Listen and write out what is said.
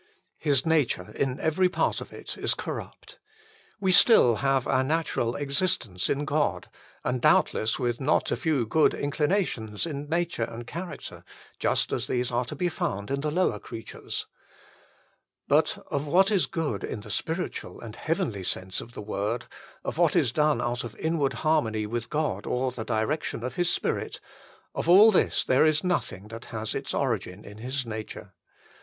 His nature in every part of it is corrupt. We still have our natural existence in God, and doubtless with not a few good inclinations in nature and character, just as these are to be found in the lower creatures. But of what is good in the spiritual and heavenly sense of the word, of what is done out of inward harmony with God or the direction of His Spirit of all this there is nothing that has its origin in His nature.